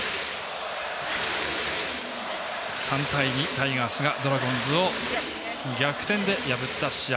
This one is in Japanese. ３対２、タイガースがドラゴンズを逆転で破った試合。